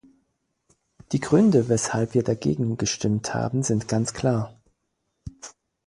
Die Gründe, weshalb wir dagegen gestimmt haben, sind ganz klar.